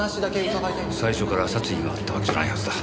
最初から殺意があったわけじゃないはずだ。